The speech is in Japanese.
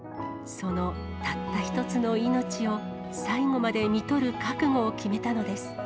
そのたった一つの命を、最期までみとる覚悟を決めたのです。